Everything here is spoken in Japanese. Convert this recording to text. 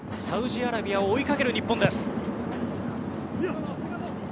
サウジアラビアを追いかける日本。